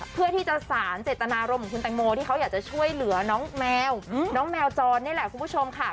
เพื่อที่จะสารเจตนารมณ์ของคุณแตงโมที่เขาอยากจะช่วยเหลือน้องแมวน้องแมวจรนี่แหละคุณผู้ชมค่ะ